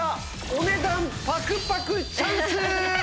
お値段パクパクチャンス！